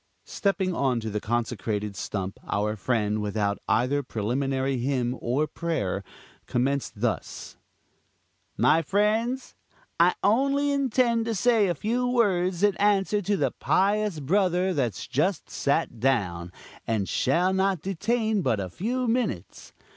Stepping on to the consecrated stump, our friend, without either preliminary hymn or prayer, commenced thus: "My friends, I only intend to say a few words in answer to the pious brother that's just sat down, and shall not detain but a few minutes.